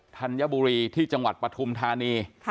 ธัญบุรีที่จังหวัดปฐุมธานี